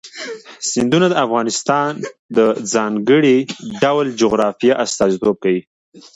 سیندونه د افغانستان د ځانګړي ډول جغرافیه استازیتوب کوي.